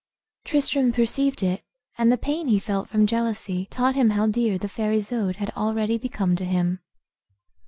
Tristram perceived it, and the pain he felt from jealousy taught him how dear the fair Isoude had already become to him.